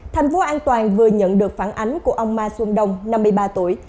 thành phố an toàn vừa nhận được phản ánh của ông mai xuân đông năm mươi ba tuổi